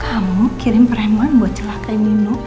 kamu kirim perempuan buat celakai nino